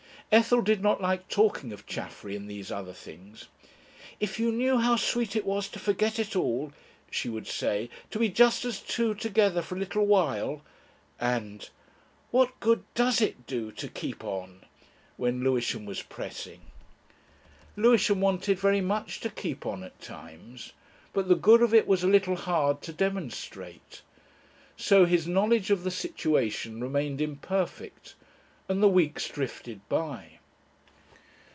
Ethel did not like talking of Chaffery and these other things. "If you knew how sweet it was to forget it all," she would say; "to be just us two together for a little while." And, "What good does it do to keep on?" when Lewisham was pressing. Lewisham wanted very much to keep on at times, but the good of it was a little hard to demonstrate. So his knowledge of the situation remained imperfect and the weeks drifted by.